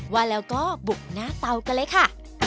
ว่าแล้วก็บุกหน้าเตากันเลยค่ะ